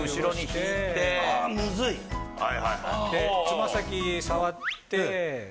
つま先触って。